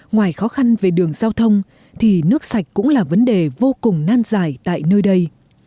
ngoài khó khăn về đường giao thông thì nước sạch cũng là vấn đề vô cùng nan dài tại nơi đây